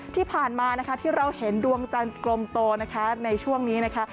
ที่ผ่านมานะคะที่เราเห็นดวงจันทร์กลมโตนะคะในช่วงนี้นะคะ